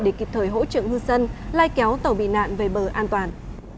để kịp thời hỗ trợ ngư dân lai kéo tàu bị nạn về bờ an toàn